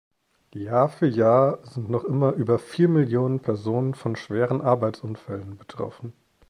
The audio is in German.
Jahr für Jahr sind noch immer über vier Millionen Personen von schweren Arbeitsunfällen betroffen.